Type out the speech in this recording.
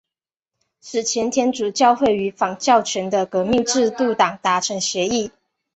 此前天主教会与反教权的革命制度党达成协议。